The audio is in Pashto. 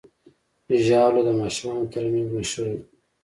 ژاوله د ماشومانو ترمنځ مشهوره ده.